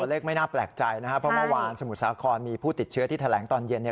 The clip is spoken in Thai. เลขไม่น่าแปลกใจนะครับเพราะเมื่อวานสมุทรสาครมีผู้ติดเชื้อที่แถลงตอนเย็น